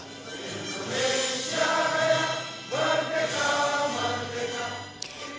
indonesia raya berpecah berpecah